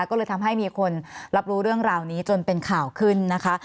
ก็เลยทำให้มีคนรับรู้เรื่องราวนี้จนเป็นข่าวขึ้นนะคะ